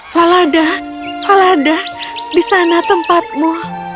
falada falada di sana tempatmu